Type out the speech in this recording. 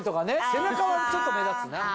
背中はちょっと目立つな。